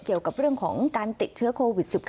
เกี่ยวกับเรื่องของการติดเชื้อโควิด๑๙